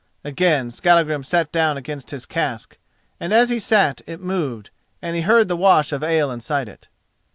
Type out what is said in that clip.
Again Skallagrim sat down against his cask, and as he sat it moved, and he heard the wash of ale inside it.